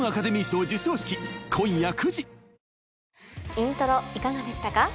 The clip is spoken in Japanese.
『イントロ』いかがでしたか？